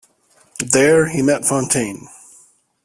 There he met Fontaine.